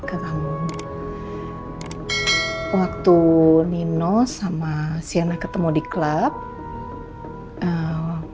aku udah keliatan